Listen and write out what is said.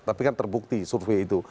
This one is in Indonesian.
tapi kan terbukti survei itu